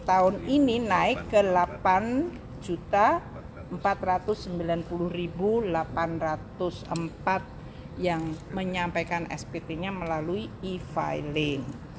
tahun ini naik ke delapan empat ratus sembilan puluh delapan ratus empat yang menyampaikan spt nya melalui e filing